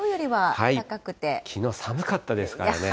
きのう寒かったですからね。